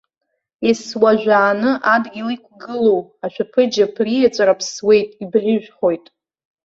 Ес-уажәааны адгьыл иқәгылоу ашәаԥыџьаԥ риаҵәара ԥсуеит, ибӷьыжәхоит.